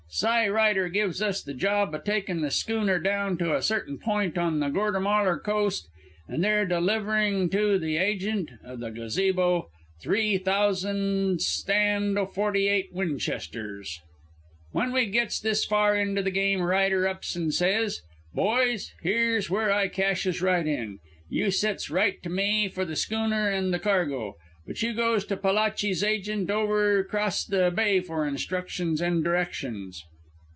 "Cy Ryder gives us the job o' taking the schooner down to a certain point on the Gortamalar coast and there delivering to the agent o' the gazabo three thousand stand o' forty eight Winchesters. "When we gits this far into the game Ryder ups and says: "'Boys, here's where I cashes right in. You sets right to me for the schooner and the cargo. But you goes to Palachi's agent over 'crost the bay for instructions and directions.'